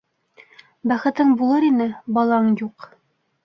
Бәхетең булыр ине - балаң юҡ!